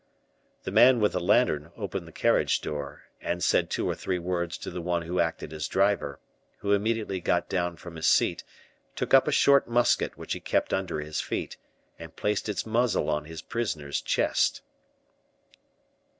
The man with the lantern opened the carriage door, and said two or three words to the one who acted as driver, who immediately got down from his seat, took up a short musket which he kept under his feet, and placed its muzzle on his prisoner's chest.